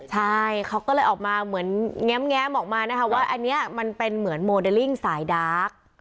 ใช่เค้าก็เลยออกมองว่าอันนี้เหมือนมโมเดลลิ่งสายดาก